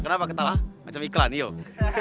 kenapa kitalah macam iklan yuk